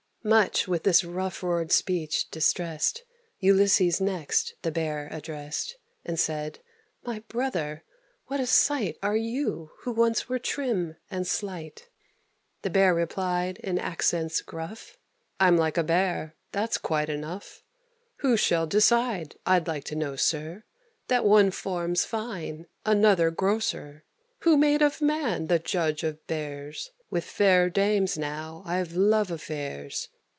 Much with this rough roared speech distressed, Ulysses next the Bear addressed, And said, "My brother, what a sight Are you, who once were trim and slight!" The Bear replied, in accents gruff, "I'm like a bear that's quite enough; Who shall decide, I'd like to know, sir, That one form's fine, another grosser? Who made of man the judge of bears? With fair dames now I've love affairs.